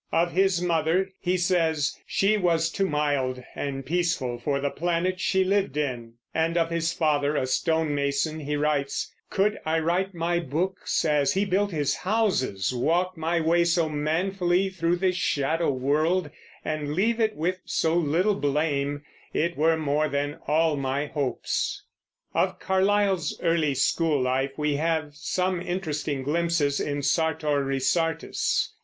Of his mother he says, "She was too mild and peaceful for the planet she lived in"; and of his father, a stone mason, he writes, "Could I write my books as he built his houses, walk my way so manfully through this shadow world, and leave it with so little blame, it were more than all my hopes." Of Carlyle's early school life we have some interesting glimpses in Sartor Resartus.